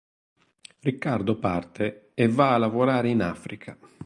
Riccardo parte e va a lavorare in Africa.